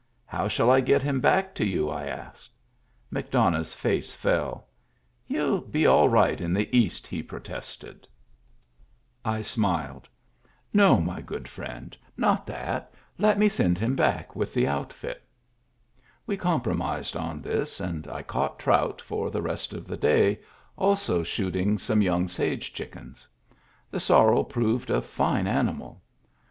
"How shall I get him back to you?" I asked. McDonough's face fell. " He'll be all right in" the East," he protested. Digitized by Google THE GIFT HORSE i8i I smiled. "No, my good friend. Not that. Let me send him back with the outfit." We compromised on this, and caught trout for the rest of the day, also shooting some young sage chickens. The sorrel proved a fine animal.